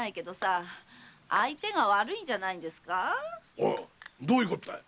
おいどういうことだ？